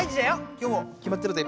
きょうも決まってるぜ。